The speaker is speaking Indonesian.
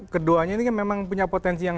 keduanya ini kan memang punya potensi yang